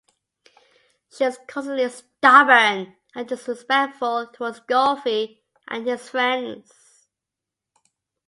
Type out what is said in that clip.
She was consistently stubborn and disrespectful towards Goffe and his friend's.